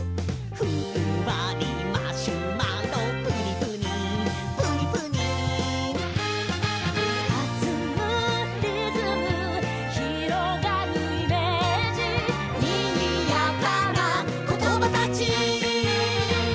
「ふんわりマシュマロプニプニプニプニ」「はずむリズム」「広がるイメージ」「にぎやかなコトバたち」